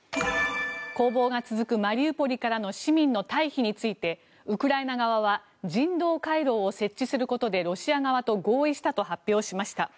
攻防が続くマリウポリからの市民の退避についてウクライナ側は人道回廊を設置することでロシア側と合意したと発表しました。